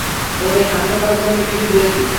ওকে শান্ত করার জন্য কিছু দিয়েছি।